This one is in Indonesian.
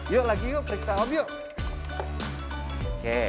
yuk lagi yuk periksa hobi yuk